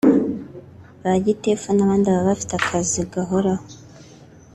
ba gitifu n’abandi baba bafite akazi gahoraho